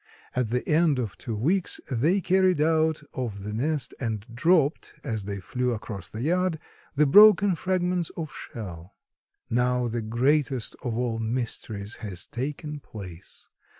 At the end of two weeks they carried out of the nest and dropped, as they flew across the yard, the broken fragments of shell. Now the greatest of all mysteries has taken place.